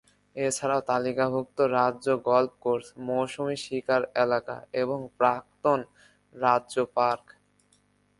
এছাড়াও তালিকাভুক্ত রাজ্য গলফ কোর্স, মৌসুমি শিকার এলাকা এবং "প্রাক্তন" রাজ্য পার্ক।